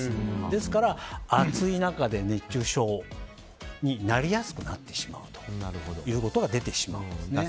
ですから暑い中で熱中症になりやすくなってしまうということが出てしまうんですね。